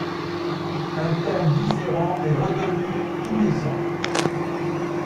Un thème différent est retenu tous les ans.